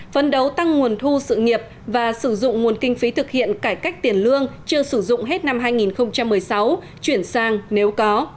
phân đấu tăng nguồn thu sự nghiệp và sử dụng nguồn kinh phí thực hiện cải cách tiền lương chưa sử dụng hết năm hai nghìn một mươi sáu chuyển sang nếu có